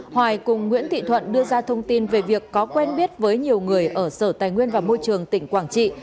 hoài cùng nguyễn thị thuận đưa ra thông tin về việc có quen biết với nhiều người ở sở tài nguyên và môi trường tỉnh quảng trị